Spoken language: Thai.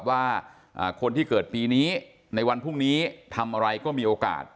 ว่าคนที่เกิดปีนี้ในวันพรุ่งนี้ทำอะไรก็มีโอกาส